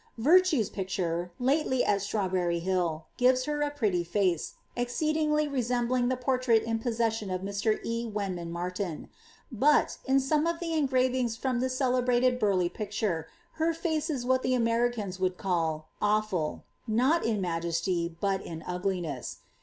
Veftne^ picture, lately at Strawberry Hill, gives her a J^tty free, exceeding resembling the portrait in possession of Mr. E. Wenman MartiQ; but, ii some of Sie engravings from the celebrated Burleigh picture, her lace ii what tlie Americans would call ^awful, not in mqeaty, but in ngti ness.